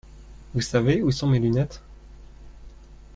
Vous savez où sont mes lunettes ?